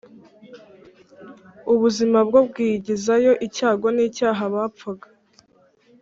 ubuzima, bwobwigizayo icyago n’icyaha bapfaga.